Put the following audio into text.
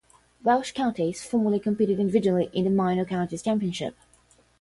Welsh counties formerly competed individually in the Minor Counties Championship.